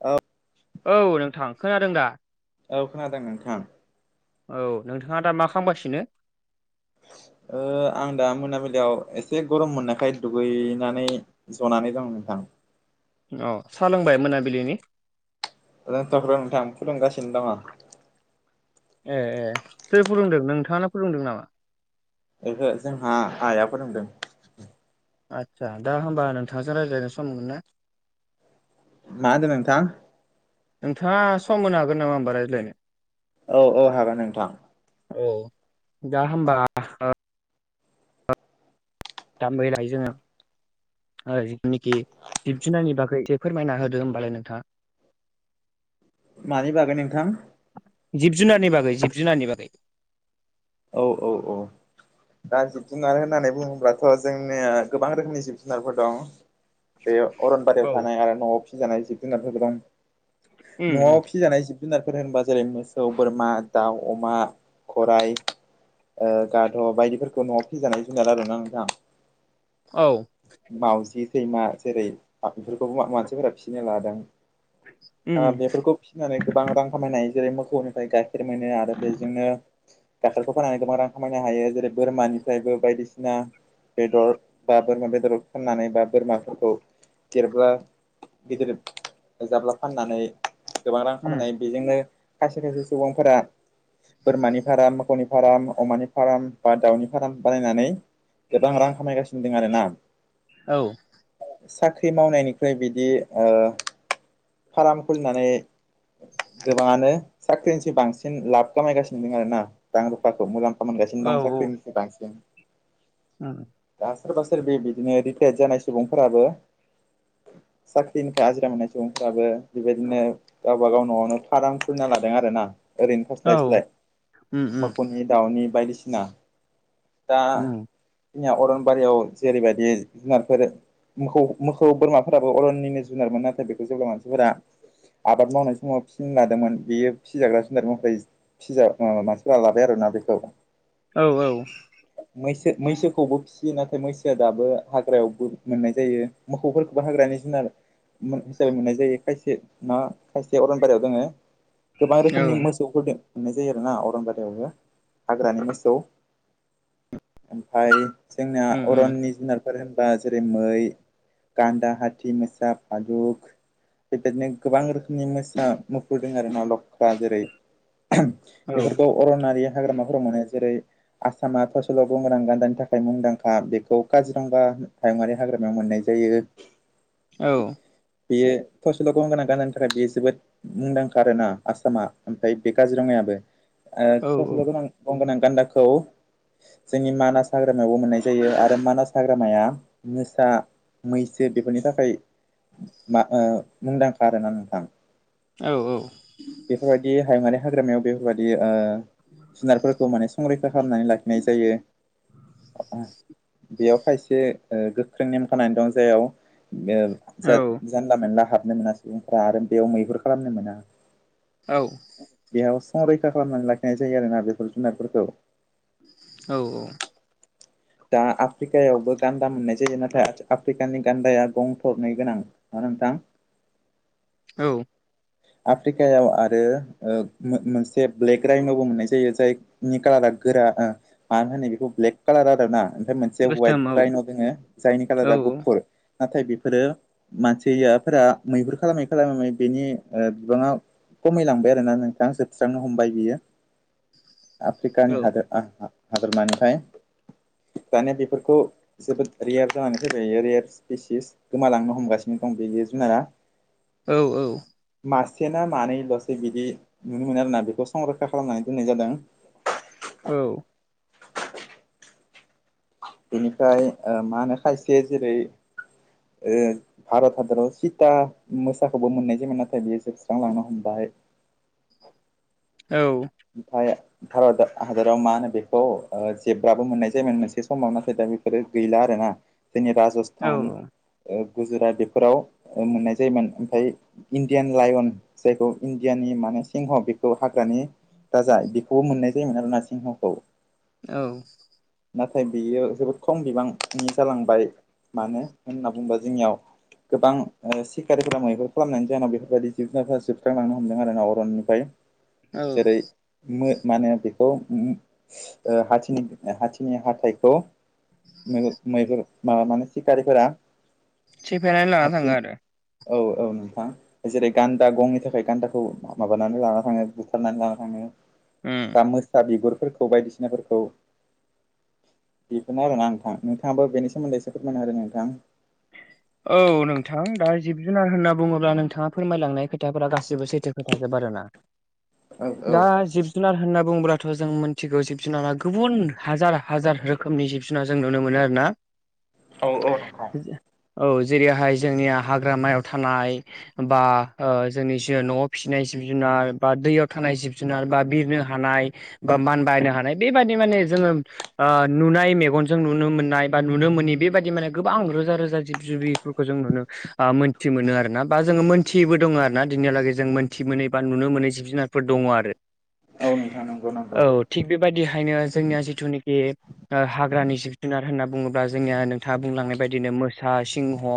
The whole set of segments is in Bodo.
औ औ नोंथां खोनादों दा औ खोनादों नोंथां औ नोंथाङा दा मा खालामगासिनो आं दा मोनाबिलियाव एसे गरम मोननायखाय दुगैनानै ज'नानै दं नोंथां अ सा लोंबाय मोनाबिलिनि लोंथ'आखैर नोंथां फुदुंगासिनो दङ ए ए सोर फुदुंदों नोंथाङानो फुदुंदों नामा ओहो जोंहा आइआ फुदुंदों आदसा दा होमबा नोंथांजों रायज्लायनो सम मोनगोन ना मा होनदों नोंथां नोंथाङा सम होनो हागोन नामा होमबा रायज्लायनो औ औ हागोन नोंथां औ दा होमबा [unintelligible] [unintelligible] जिब जुनारनि बागै एसे फोरमायना होदो होमबालाय नोंथाङा [unintelligible] मानि बागै नोंथां जिब जुनारनि बागै जिब जुनारनि बागै औ औ औ दा जिब जुनार होननानै बुङोब्लाथ' जोंनिया गोबां रोखोमनि जिब जुनारफोर दं बेयो अरनबारियाव औ थानाय आरो न'आव फिसिजानाय जिब जुनारफोर दं उम उम न'आव फिजानाय जिब जुनारफोर होनबा जेरै मोसौ बोरमा दाउ अमा घराइ गध' बायदिफोरखौ न'आव फिजानाय जुनार आरोना नोंथां औ मावउजि सैमा जेरै बेफोरखौबो मानसिफोरा फिसिनो लादों। उम ओ बेफोरखौ फिसिनानै गोबां रां खामायनो हायो जेरै मोसौनिफ्राय गाइ फोरमायनो आरो बेजोंनो गाइखेरखौ फाननानै गोबां रां खामायनो हायो जेरै बोरमानिफ्रायबो बायदिसिना बेदर बा बोरमा बेदरखौ फाननानै बा बोरमाफोरखौ देरब्ला गिदिर जाब्ला फाननानै गोबां रां उम खामायनो हायो बेजोंनो खायसे खायसे सुबुंफोरा बोरमानि फाराम मोखौनि फार्म अमानि फार्म बा दाउनि फार्म बानायनानै गोबां रां खामायगासिनो दं आरोना औ साख्रि मावनायनिख्रुइ बिदि ओ फार्म खुलिनानै गोबाङानो साख्रिनिसो बांसिन लाब खामायगासिनो दं आरोना रां रुफाखौ मुलाम्फा मोनगासिनो औ दं साख्रिनिख्रुइ बांसिन। उम दा सोरबा सोरबि बिदिनो रिटायार्द जानाय सुबुंफोराबो साख्रिनिफ्राय आजिरा मोननाय सुबुंफ्राबो बेबायदिनो गावबागाव न'आवनो फाराम खुलिना लादों आरोना ओरैनो औ थास्लायस्लाय उम उम मोसौनि दाउनि बायदिसिना दा उम जोंहा अरनबारियाव जेरैबायदि [unintelligible] मोखौ मोखौ बोरमाफोराबो अरननिनो जुनारमोन नाथाय बेखौ जेब्ला मानसिफोरा आबाद मावनाय समाव फिसिनो लादोंमोन बेयो फिजाग्रा जुनार महरै फिजा ओ मानसिफोरा लाबाय आरोना बेखौ। औ औ मैसो मैसोखौबो फिसियो नाथाय मैसोआ दाबो हाग्रायावबो मोननाय जायो मोखौफोरखौबो हाग्रानि जुनार मो हिसाबै मोननाय जायो खायसे ना खायसे अरनबारियाव दङो। गोबां औ रोखोमनि मोसौफोरदो मोननाय जायो आरो ना अरनबारियावबो हाग्रानि मोसौ ओमफाय जोंना उम उम अरननि जुनारफोर होनबा जेरै मै, गान्दा, हाथि, मोसा फादुग बेबायदिनो गोबां रोखोमनि मोसा मुफुर दों आरो ना लक्रा जेरै औ बेफोरखौ अरनारि हाग्रामाफोराव मानो जेरै आसामा थसेल' गं गोनां गान्दानि थाखाय मुंदांखा बेखौ काजिरंगा हायुङारि हाग्रामायाव मोननाय जायो। औ बियो फसल' गंगोना गानानि थाखाय बियो जोबोद मुंदांखा आरोना आसामा ओमफ्राय बे काजिरङायाबो ओ औ थसेल' गोनां गं गोनां गान्दाखौ जोंनि मानास हाग्रामायावबो मोननाय जायो आरो मानास हाग्रामाया मोसा मैसो बेफोरनि थाखाय मा ओ मुंदांखा आरोना नोंथां। औ औ बेफोरबायदि हायुङारि हाग्रामायाव बेफोरबायदि ओ जुनारफोरखौ माने संरैखा खालामनानै लाखिनाय जायो। बेयाव खायसे ओ गोख्रों नेम खोनानानै दं जायाव ओ औ जा नला मोनला हाबनो मोना सुबुंफ्रा आरो बेयाव मैहुर खालामनो मोना। औ बेयाव संरैखा खालामनानै लाखिनाय जायो आरोना बेफोर जुनारफोरखौ। औ औ दा आफ्रिकायावबो गान्दा मोननाय जायो नाथाय आफ्रिकानि गान्दाया गं थनै गोनां। हो नोंथां औ आफ्रिकायाव आरो मोनसे ब्लेक राइनावबो मोननाय जायो जाय कालारा गोरा मानो होनो बेखौ ब्लेक कालार आरो ना ओमफ्राय मोन जे गोसोम हवाइट औ राइन' दोङो जायनि औ कालारा गुफुर नाथाय बेफोरो मानसियाफोरा मैहुर खालामै खालामै बेनि बिबाङा खमायलांबाय आरो ना नोंथां सोबस्रांनो हमबाय बियो। औ आफ्रिकानि हादोर हादोरमानिफ्राय दानिया बेफोरखौ जोबोद रेयार जानानै फैयो रेयार स्पिसिस गोमालांनो हमगासिनो दं बे जुनारा। औ औ मासे ना मानैल'सो बिदि नुनो मोनो आरोना बेखौ संरखा खालामनानै दोननाय जादों। औ बेनिफ्राय मा होनो खायसे जेरै उम भारत हादराव सिता मोसाखौबो मोननाय जायोन नाथाय बेयो जोबस्रांलांनो हमबाय। औ ओमफ्राय भारत हादराव मा होनो बेखौ जेबाबो मोननाय जायोमोन मोनसे समाव नाथाय दा बेफोरो गैला आरो ना। जोंनि राजस्थान गुजरात बेफोराव मोननाय जायोमोन ओमफ्राय इण्डियान लाायन जायखौ इण्डियानि माने सिंह बेखौ हाग्रानि दाजाय बेखौबो मोननाय जायोमोन आरोना सिंहखौ औ नाथाय बियो जोबोद खम बिबांनि जालांबाय मानो होनना बुङोबा जोंनियाव गोबां ओ सिखारिफोरा मैहुर खालामनायनि जाहोनाव बेफोरबायदि जिब जुबुनारफोरा जोबस्रांलांनो हमदों आरोना अरननिफ्राय औ जेरै मो मानो बेखौ ओ हथिनि हाथिनि हाथाइखौ मैहुर मैहुर मा-माने सिखारिफोरा सेफायनानै लाना हाथि थाङो आरो औ औ नोंथां जेरै गान्दा गंनि थाखाय गान्दाखौ माबानानै लाना थाङो बुथारनानै लाना थाङो उम दा मोसा बिगुरफोरखौ बायदिसिनाफोरखौ बेखौनो आरोना नोंथां नोंथाङाब बेनि सोमोन्दै एसे फोरमायना होदो नोंथां [inaudible] औ नोंथां दा जिब जुनार होनना बुङोब्ला नोंथाङा फोरमायलांनाय खोथाफोरा गासिबो सैथो खोथाजोब आरोना औ दा औ जिब जिब जुनार होनना बुङोब्लाथ' जों मिथिगौ जिब जुनारा गुबुन हाजार हाजार रोखोमनि जिब सुना जों नुनो मोनो आरोना औ औ नं औ जेरैहाय जोंनिया हाग्रामायाव थानाय बा ओ जोंनि जि न'आव फिसिनाय जिब जुनार बा दैयाव थानाय जिब जुनार बा बिरनो हानाय बा मानबायनो हानाय बेबायदि माने जोङो नुनाय मेगनजों नुनो मोननाय बा नुनो मोनोनि बेबायदि माने गोबां रोजा रोज जा जिब जिबिफोरखौ जों नुनो आ मोन्थि मोनो आरोना बा जोङो मोनथियैबो दङो आरोना दिनिहालागै जों मोनथि मोनै बा नुनो मोनै जिब जुनार फोर दङ आरो औ नोंथां नंगौ नंगौ औ थिग बेबायदिहायनो जोंनिया जिथुनाखि हाग्रानि जिब जुनार होनना बुङोब्ला जोंनिया नोंथाङा बुंलांनाय बायदिनो मोस सा, सिंह, ओ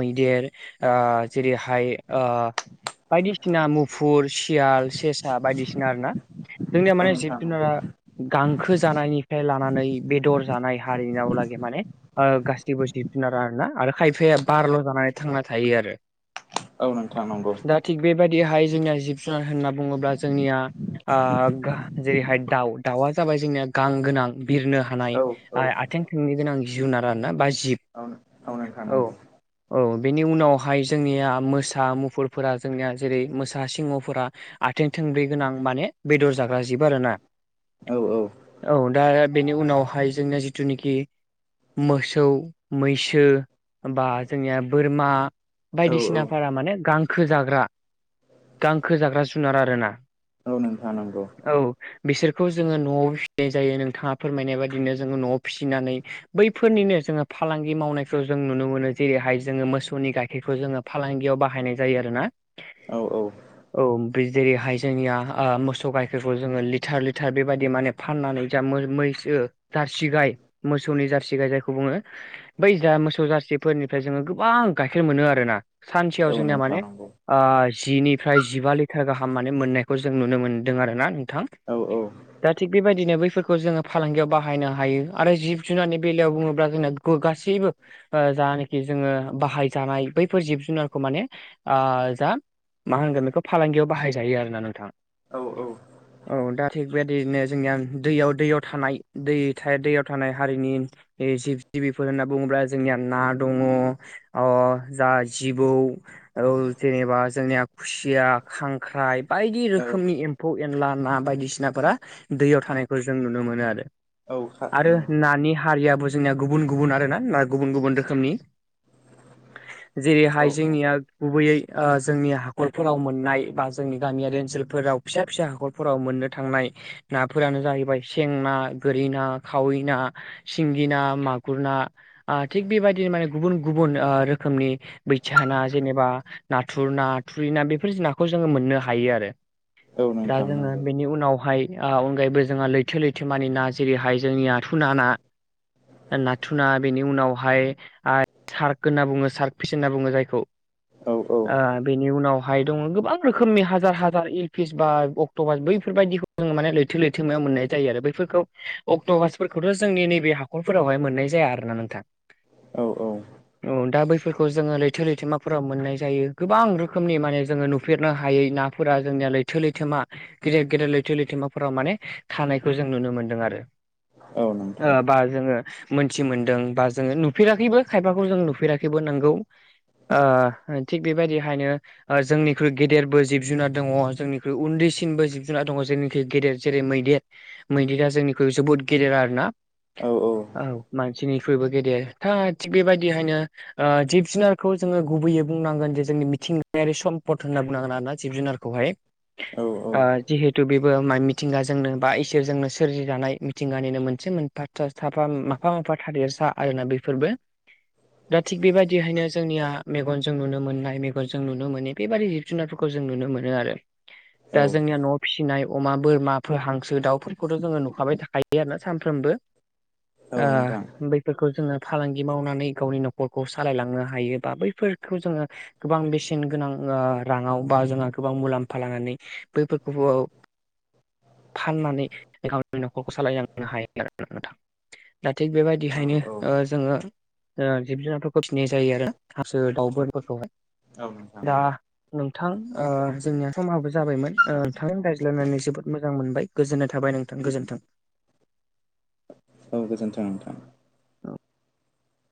मैदेर ओ जेरैहाय ओ बायदिसिना मुफुर, सियाल सेसा बायदिसिना आरोना जोंनिया औ माने जिब नोंथां नंगौ जुनारा गांखो जानायनिफ्राय लानानै बेदर जानाय हारिनावलागै माने गासैबो जिब जुनारा आरोना आरो खायफाया बारल' जानानै थांना थायो आरो औ नोंथां नांगौ दा थिग बेबायदिहाय जोंनिया जिब जुनार होनना बुङोब्ला जोंनिया आ गा जेरैहाय दाउ दाउआ जाबाय जोंनिया गां गोनां बिरनो हानाय औ औ आ-आथिं थोंनै गोनां जिुनार आरोना बा जिब आव नो आव नोंथां औ नोंगौ औ बेनि उनावहाय जोंनिया मोसा, मुफुरफोरा जोंनिया जेरै मोसा, सिंहफोरा आथिं थोंब्रै गोनां माने बेदर जाग्रा जिब आरोना औ औ औ दा बेनि उनावहाय जोंना जिथुनिखि मोसौ मैसो बा जोंनिया बोरमा औ औ बायदिसिनाफोरा माने गां खोजाग्रा गांखो जाग्रा जुनार आरोना औ नोंथां नांगौ औ बिसोरखौ जोङो न'आव फिसिनाय जायो नोंथाङा फोरमायनाय बाददिनो जोङो न'आव फिसिनानै बैफोरनिनो जोङो फालांगि मावनायखौ जों नुनो मोनो जेरैहाय जोङो मोसौनि गाइखेरखौ जोङो फालांगियाव बाहायनाय जायो आरोना औ औ औ बे जेरै हायजोंनिया ओ मोसौ गाइफोरखौ जोङो लिटार लिटार बेबायदि माने फाननानै जा मै-मैसो जारसि गाय मोसौनि जारसि गाय जायखौ बुङो। बै जा मोसौ जारसिफोरनिफ्राय जोङो गोबां गाइखेर मोनो आरोना। सानसेयाव औ जोंनिया माने नोंथां नंगौ ओ जिनिफ्राय जिबा लिटार गाहाम माने मोननायखौ जों नुनो मोन्दों आरो ना नोंथां। औ औ दा थिग बेबायदिनो बैफोरखौ जोङो फालांगियाव बाहायनो हायो आरो जिब जुनारनि बेलायाव बुङोब्ला जोंना खौ गासिबो ओ जानिखि जोङो बाहाय जानाय बैफोर जिब जुनारखौ माने ओ जा मा होनगोन बेखौ फालांगियाव बाहायजायो आरोना नोंथां। औ औ दा थिग बेबायदिनो जोंनिया दैयाव दैयाव थानाय दै था दैयाव थानाय हारिनि जिब जिबिफोर होनना बुङोब्ला जोंनिया ना दङ। अ जा जिबौ औ जेनेबा जोंनिया खुसिया खांख्राइ बायदि औ रोखोमनि एम एम्फौ एनला ना बायदिसिनाफोरा दैयाव थानायखौ जों नुनो मोनो आरो। औ खा आरो औ नानि हारियाबो जोंनिया गुबुन गुबुन आरोना ना गुबुन गुबुन रोखोमनि। [inaudible] जेरैहाय औ औ जोंनिया गुबैयै ओ जोंनि हाखरफोराव मोननाय बा जोंनि गामियारि ओनसोलफोराव। फिसा फिसा हाखरफोराव मोननो थांनाय। नाफोरानो जाहैबाय सें ना गोरि ना खावै ना सिंगि ना मा खुरना आं थिग बेबायदिनो माने गुबुन गुबुन ओ रोखोमनि बैथिया ना जेनेबा नाथुर ना थुरि ना बेफोर नाखौ जोङो मोननो हायो आरो। औ दा नोंथां जोङो नंगौ बेनि उनावहाय ओ अनगायैबो जोंहा लैथो लैथो मानि ना जेरैहाय जोंनि आथु ना ना। नाथुना बेनि उनावहाय ओ सार्क होनना बुङो सार्क फिस होनना बुङो जायखौ। औ औ ओ बेनि उनावहाय दङ गोबां रोखोमनि हाजार हाजार एलपिस बा अक्ट'बास बैफोरबायदि जों माने लैथो लैथो मायाव मोननाय जायो आरो बैफोरखौ अक्ट'भासफोरखौथ' जोंनि नैबे हा खरफोरावहाय मोननाय जाया आरो ना नोंथां। औ औ औ दा बैफोरखौ जोङो लैथो लैथोमाफोराव मोननाय जायो गोबां रोखोमनि माने जोङो नुफेरनो हायै ना फोरा जोंनिया लैथो लैथोमा गेदेर गेदेर लैथो लैथोमाफोराव माने थानायखौ जों नुनो मोन्दों आरो। औ नोंथां ओ बा जोङो मोनथि मोन्दों बा जोङो नुफेराखैबो खायफाखौ जों नुफेराखैबो नोंगौ। ओ थिग बेबायदिखायनो ओ जोंनिख्रुइ गदेरबो जिब जुनार दङ जोंनिख्रुइ उन्दैसिनबो जिब जुनार दङ जोंनिख्रुइ गेदेर जेरै मैदेर मैदेरा जोंनिख्रुइ जोबोद गेदेर आरो ना। औ औ औ मानसिनिफ्रायबो गेदेर था थिग बेबायदिहायनो ओ जिब जुनारखौ जोङो गुबैयै बुंनांगोन जे जोंनि मिथिंगायारि सम्पद होनना बुंनांगोन आरोना जिब जुनार खौहाय औ ओ जिहेतु बेबो मा मिथिंगाजोंनो बा इसोरजोंनो सोरजिजानाय मिथिंगानिनो मोनसे मोन बासर्था साफा माफा माफा थादेरसा आरोना बेफोरबो। दा थिग बेबायदिहायनो जोंनिया मेगनजों नुनो मोननाय मेगनजों नुनो मोनो बेबादि जुनारफोरखौ जों नुनो मोनो आरो औ दा जोंनिया न फिसिनाय अमा बोरमाफोर हांसो दाउफोरखौथ' जोङो नुखाबाय थाखायो आरो ना सानफ्रोमबो। औ आ नोंथां बै फोरखौ जोङो फालांगि मावनानै गावनि न'खरखौ सालायलांनो हायो बा बैफोरखौ जोङो गोबां बेसेन गोनां ओ राङाव बा जोंहा गोबां मुलाम्फा लानानै बैफोरखौबो फाननानै गावनि न'खरखौ सालायलांनो हायो आरो। नोंथां दा थिग औ बेबायदिहायनो ओ जोङो ओ जिब जुनारफोरखौ फिननाय जायो आरो हांसो दाउफोरखौहाय। औ नोंथां दा नंगौ नोंथां ओ जोंनिया समहाबो जाबायमोन ओ नोंथांजों रायज्लायनानै जोबोद मोजां मोनबाय। गोजोन्नाय थाबाय नोंथां गोजोन्थों। औ गोजोन्थों नोंथां।